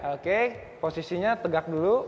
oke posisinya tegak dulu